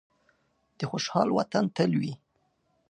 د خوشحال وطن تل وي.